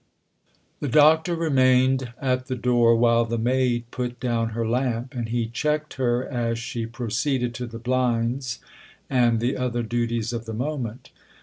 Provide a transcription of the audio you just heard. XXX THE Doctor remained at the door while the maid put down her lamp, and he checked her as she pro ceeded to the blinds and the other duties of the moment.